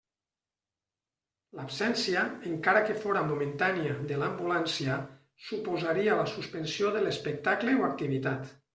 L'absència, encara que fóra momentània de l'ambulància, suposaria la suspensió de l'espectacle o activitat.